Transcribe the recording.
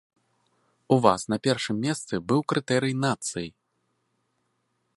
У вас на першым месцы быў крытэрый нацыі.